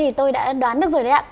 thì tôi đã đoán được rồi đấy ạ